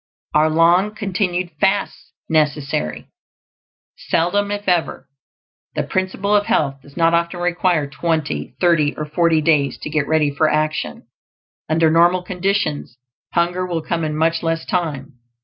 Are long continued fasts necessary? Seldom, if ever. The Principle of Health does not often require twenty, thirty, or forty days to get ready for action; under normal conditions, hunger will come in much less time.